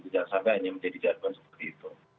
jangan sampai hanya menjadi jargon seperti itu